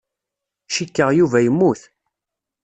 Cikkeɣ Yuba yemmut.